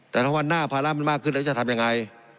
แต่ถ้าวันหน้าภาระมันมากขึ้นแล้วจะทำยังไง